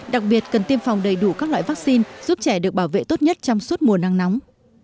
đặc biệt cần tiêm phòng đầy đủ các loại vaccine giúp trẻ được bảo vệ tốt nhất trong suốt mùa nắng nóng